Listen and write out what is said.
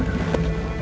mama tenang dulu ya